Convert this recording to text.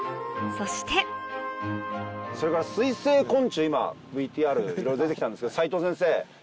そしてそれから水生昆虫今ＶＴＲいろいろ出て来たんですけど斉藤先生。